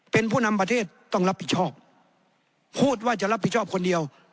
เป็นผู้นำประเทศต้องรับผิดชอบพูดว่าจะรับผิดชอบคนเดียว